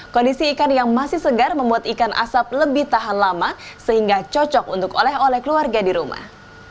kondisi ikan yang masih segar membuat ikan asap lebih tahan lama sehingga cocok untuk oleh oleh keluarga di rumah